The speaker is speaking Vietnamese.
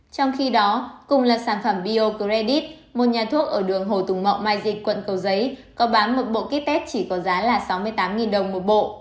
trong khi đó cùng là sản phẩm biocredit một nhà thuốc ở đường hồ tùng mậu mai dịch quận cầu giấy có bán một bộ kit test chỉ có giá là sáu mươi tám đồng một bộ